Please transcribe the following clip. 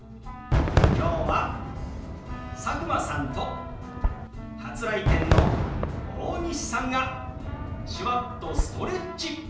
今日は佐久間さんと初来店の大西さんが手話っとストレッチ！